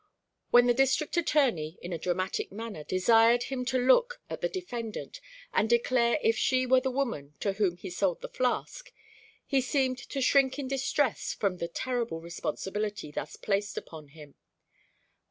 When the District Attorney, in a dramatic manner, desired him to look at the defendant, and declare if she were the woman to whom he sold the flask, he seemed to shrink in distress from the terrible responsibility thus placed upon him.